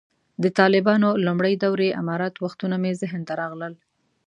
د طالبانو د لومړۍ دورې امارت وختونه مې ذهن ته راغلل.